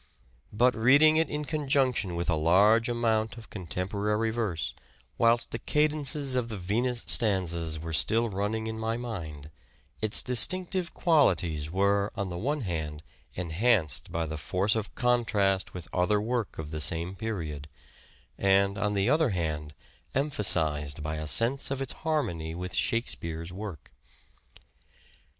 But, reading it in conjunction with a large amount of contemporary verse whilst the cadences of the " Venus " stanzas were still running in my mind, its distinctive qualities were, on the one hand, enhanced by the force of contrast with other work of the same period, and on the other hand emphasized by a sense of its harmony with Shakespeare's work.